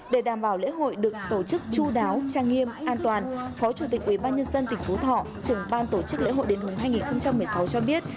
để đảm bảo lễ hội được tổ chức chú đáo trang nghiêm an toàn phó chủ tịch ubnd tỉnh phú thọ trưởng ban tổ chức lễ hội đền hùng hai nghìn một mươi sáu cho biết